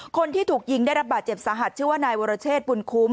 คนที่ถูกยิงได้รับบาดเจ็บสาหัสชื่อว่านายวรเชษบุญคุ้ม